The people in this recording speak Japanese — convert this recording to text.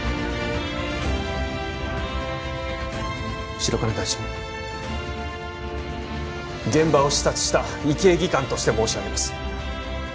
白金大臣現場を視察した医系技官として申し上げます